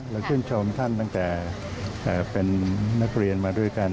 และชื่นชมท่านตั้งแต่เป็นนักเรียนมาด้วยกัน